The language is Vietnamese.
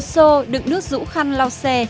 một xô đựng nước rũ khăn lau xe